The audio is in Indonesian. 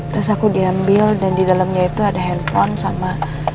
terus aku diambil dan di dalamnya itu ada handphone sama